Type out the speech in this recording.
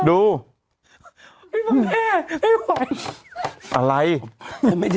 ออัน